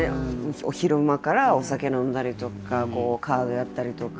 昼間からお酒飲んだりとかこうカードやったりとか。